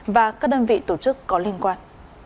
và các đơn vị tổ chức có liên quan